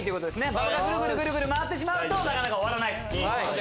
ババがぐるぐる回ってしまうとなかなか終わらないという。